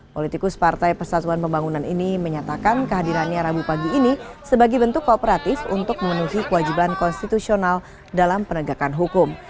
politikus partai persatuan pembangunan ini menyatakan kehadirannya rabu pagi ini sebagai bentuk kooperatif untuk memenuhi kewajiban konstitusional dalam penegakan hukum